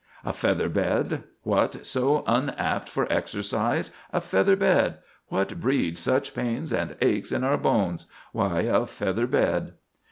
"A feather bed! What so unapt for exercise? A feather bed! What breeds such pains and aches in our bones? Why, a feather bed!"